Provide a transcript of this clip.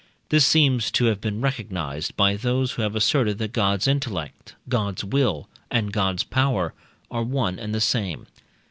This seems to have been recognized by those who have asserted, that God's intellect, God's will, and God's power, are one and the same.